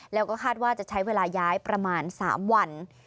แล้วก็คาดว่าจะใช้เวลาย้ายประมาณ๓วัน